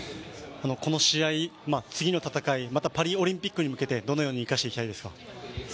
この試合、次の戦い、またパリオリンピックに向けてどう生かしていきたいですか？